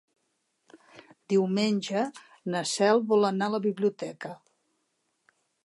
Diumenge na Cel vol anar a la biblioteca.